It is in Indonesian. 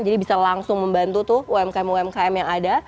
jadi bisa langsung membantu tuh umkm umkm yang ada